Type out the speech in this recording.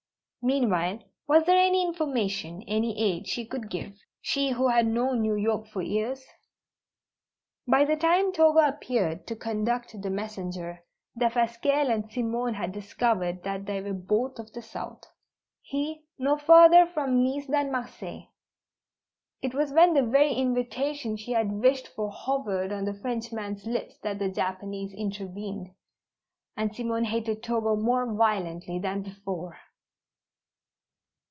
Meanwhile, was there any information, any aid, she could give she who had known New York for years? By the time Togo appeared to conduct the messenger, Defasquelle and Simone had discovered that they were both of the south; he, no farther from Nice than Marseilles. It was when the very invitation she had wished for hovered on the Frenchman's lips that the Japanese intervened, and Simone hated Togo more violently than before.